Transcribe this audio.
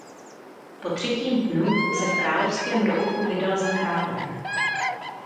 Po třetím dnu se v královském rouchu vydala za králem.